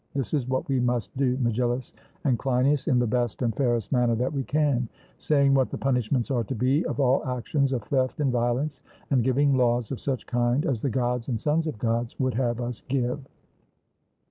This is what we must do, Megillus and Cleinias, in the best and fairest manner that we can, saying what the punishments are to be of all actions of theft and violence, and giving laws of such a kind as the Gods and sons of Gods would have us give.